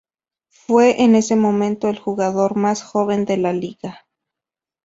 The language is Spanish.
Fue en ese momento el jugador más joven de la liga.